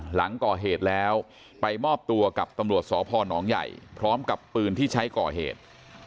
หลังก่อเหตุแล้วไปมอบตัวกับตำรวจสพนใหญ่พร้อมกับปืนที่ใช้ก่อเหตุ